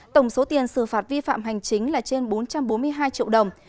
tổng số tiền xử phạt vi phạm hành chính là trên bốn trăm bốn mươi hai triệu đồng